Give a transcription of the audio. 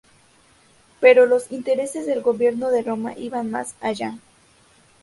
Pero los intereses del gobierno de Roma iban más allá.